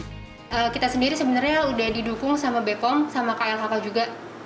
kita sendiri sebenarnya sudah didukung sama bepom sama klhk juga